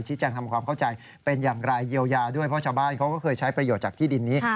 แจ้งทำความเข้าใจเป็นอย่างไรเยียวยาด้วยเพราะชาวบ้านเขาก็เคยใช้ประโยชน์จากที่ดินนี้